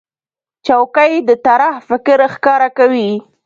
چوکۍ د طراح فکر ښکاره کوي.